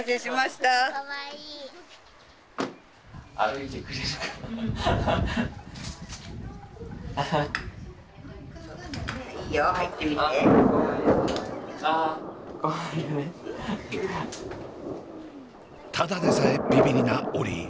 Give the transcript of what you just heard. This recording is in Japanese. ただでさえビビリなオリィ。